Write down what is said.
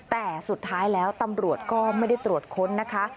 แต่สุดท้ายแล้วตำรวจก็ไม่ได้ตรวจค้นนะคะ